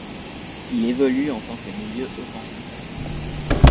Il évolue en tant que milieu offensif.